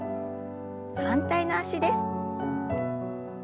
反対の脚です。